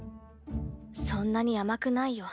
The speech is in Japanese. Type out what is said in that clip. そんなに甘くないよ